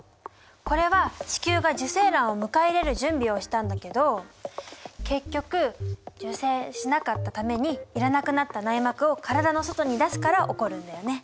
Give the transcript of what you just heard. これは子宮が受精卵を迎え入れる準備をしたんだけど結局受精しなかったために要らなくなった内膜を体の外に出すから起こるんだよね。